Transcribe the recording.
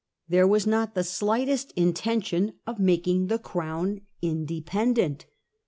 There was not the slightest intention of making the Crown independent.